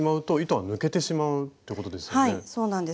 はいそうなんです。